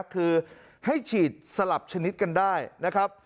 คือให้ฉีดสลับชนิดกันได้นะครับ